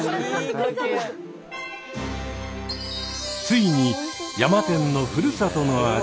ついに山天のふるさとの味